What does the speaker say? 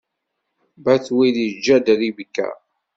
Batwil iǧǧa-d Ribka.